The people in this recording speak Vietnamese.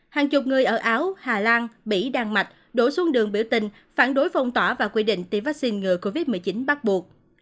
hàng chục người ở áo hà lan bỉ đan mạch đổ xuống đường biểu tình phản đối phong tỏa và quy định tiêm vaccine ngừa covid một mươi chín bắt buộc